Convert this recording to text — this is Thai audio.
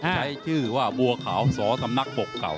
ใช้ชื่อว่าบัวขาวสอสำนักปกเก่า